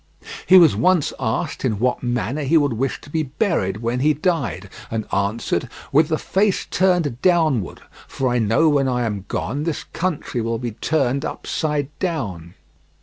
He was once asked in what manner he would wish to be buried when he died, and answered: "With the face turned downwards, for I know when I am gone this country will be turned upside down."